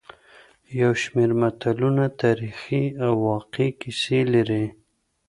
یو شمېر متلونه تاریخي او واقعي کیسې لري